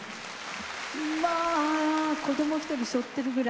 まあ子ども１人しょってるぐらい。